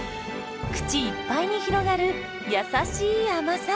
口いっぱいに広がる優しい甘さ。